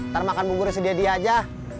ntar makan buburnya sendiri aja